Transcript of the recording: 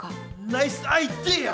ナイスアイデア！